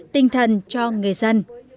tinh thần cho người dân